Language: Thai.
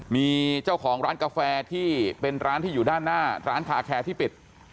มีเจ้าของร้านกาแฟที่เป็นร้านที่อยู่ด้านหน้าร้านคาแคร์ที่ปิด